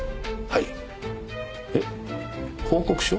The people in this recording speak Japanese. はい。